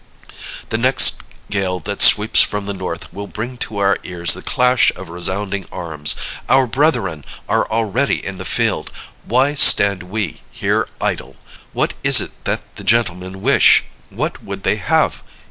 The next gale that sweeps from the north will bring to our ears the clash of resounding arms! Our brethren are already in the field! Why stand we here idle? What is it that the gentlemen wish? What would they have?